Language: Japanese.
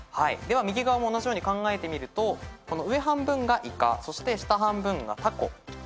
では右側も同じように考えてみると上半分がいかそして下半分がたこ。